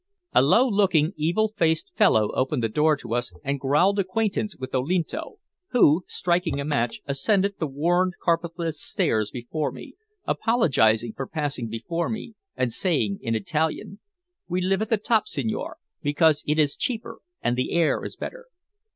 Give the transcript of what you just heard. A low looking, evil faced fellow opened the door to us and growled acquaintance with Olinto, who, striking a match, ascended the worn, carpetless stairs before me, apologizing for passing before me, and saying in Italian "We live at the top, signore, because it is cheaper and the air is better."